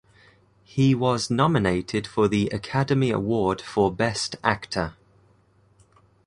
He was nominated for the Academy Award for Best Actor.